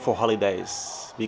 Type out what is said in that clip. và hạt thị